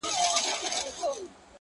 o سوله كوم خو زما دوه شرطه به حتمآ منې.